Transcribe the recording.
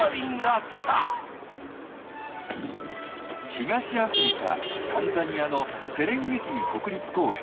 東アフリカタンザニアのセレンゲティ国立公園。